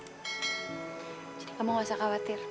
jadi kamu gak usah khawatir